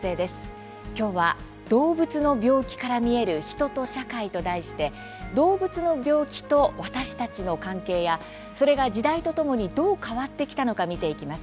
今日は「どうぶつの病気から見える人と社会」と題して動物の病気と私たちの関係やそれが時代とともにどう変わってきたのか見ていきます。